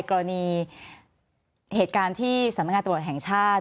กรณีเหตุการณ์ที่สำนักงานตรวจแห่งชาติ